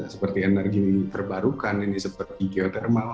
seperti energi terbarukan seperti geotermal